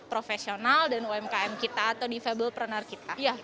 profesional dan umkm kita atau defable planner kita